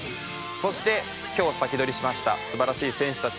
そして今日サキドリしました素晴らしい選手たち